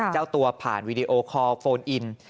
เจ้าตัวผ่านวีดีโอคอลโฟนอิน